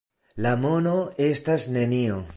La mono estas nenio!